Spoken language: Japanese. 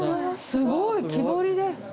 すごい木彫りで。